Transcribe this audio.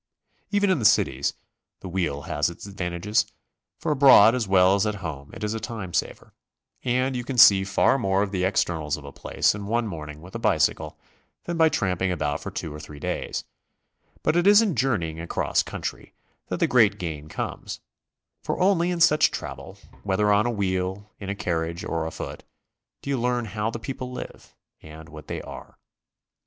Even in the cities the wheel has its ad vantages, for abroad as well as at home it is a time saver, and you can see far more of the externals of a place in one morning with a bicycle than by tramping about for two or three days, but it is in Journeying across country that the great gain comes, for only in such travel, whether on a wheel, in a carriage or a foot, do you learn how the people live and what they are.